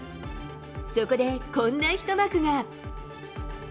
そこでこんな一幕が。